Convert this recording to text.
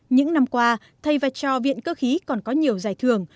những năm qua thầy và cho viện cơ khí còn có nhiều giải thưởng